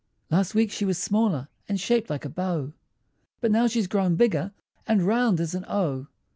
Last week she was smaller, And shaped like a bow; But now she's grown bigger, And round as an O.